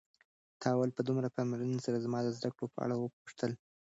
تا ولې په دومره پاملرنې سره زما د زده کړو په اړه وپوښتل؟